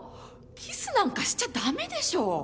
キスなんかしちゃダメでしょ！